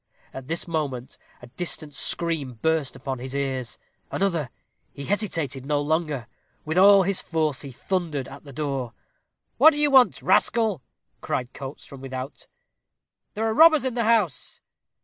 At this moment a distant scream burst upon his ears another he hesitated no longer. With all his force he thundered at the door. "What do you want, rascal?" cried Coates, from without. "There are robbers in the house."